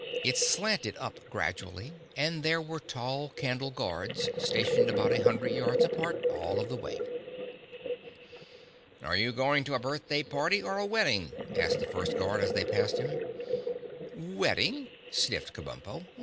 It slanted up gradually and there were tall candle guards stationed about a hundred yards apart all of the way. "Are you going to a birthday party or a wedding?" asked the first guard, as they passed him. "Wedding," sniffed Kabumpo.